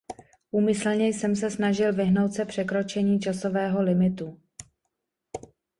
Úmyslně jsem se snažil vyhnout se překročení časového limitu.